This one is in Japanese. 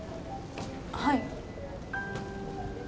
はい。